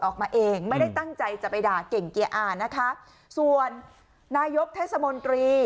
ออกมาเองไม่ได้ตั้งใจจะไปด่าเก่งเกียร์อานะคะส่วนนายกเทศมนตรี